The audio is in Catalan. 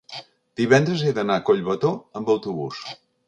divendres he d'anar a Collbató amb autobús.